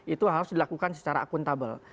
itu harus dilakukan secara akuntabel